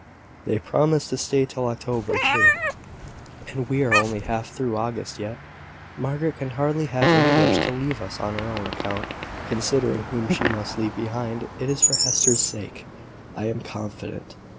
They promised to stay till October, too; and we are only half through August yet. Margaret can hardly have any wish to leave us on her own account, considering whom she must leave behind. It is for Hester's sake, I am confident.